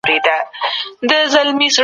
د هنر انتقال څنګه کيده؟